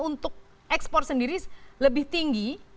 untuk ekspor sendiri lebih tinggi